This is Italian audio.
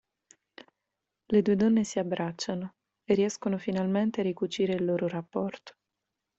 Le due donne si abbracciano e riescono finalmente a ricucire il loro rapporto.